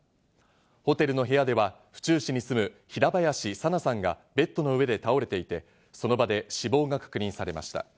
ホテルの部屋では、府中市に住む平林さなさんがベッドの上で倒れていて、その場で死亡が確認されました。